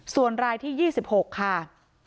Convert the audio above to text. ส่วนรายที่๒๖ค่ะ